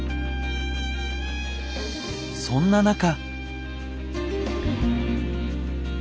そんな中。